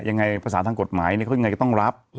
ยังไงภาษาทางกฎหมายเขาเป็นยังไงก็ต้องรับ